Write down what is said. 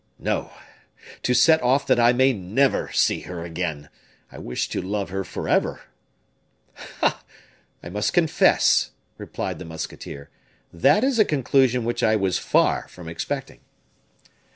"No; to set off that I may never see her again. I wish to love her forever." "Ha! I must confess," replied the musketeer, "that is a conclusion which I was far from expecting."